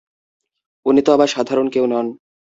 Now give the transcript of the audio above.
উনি তো আবার সাধারণ কেউ নন!